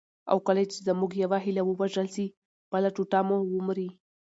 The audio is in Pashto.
او کله چي زموږ یوه هیله ووژل سي، بله ټوټه مو ومري.